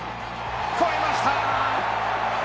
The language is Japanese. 越えました！